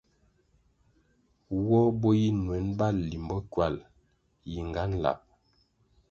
Woh bo yi nuen bali limbo ckywal, yingan lab.